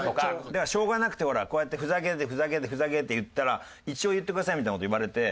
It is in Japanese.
だからしょうがなくてほらこうやってふざけてふざけてふざけて言ったら「一応言ってください」みたいな事言われて。